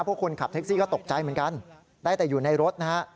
พวกคนขับแท็กซี่ก็ตกใจเหมือนกันได้แต่อยู่ในรถนะฮะ